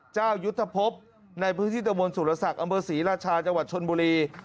เจ้ายุทธภพในพื้นที่ตะบนสุรศักดิ์อำเภอศรีราชาจังหวัดชนบุรี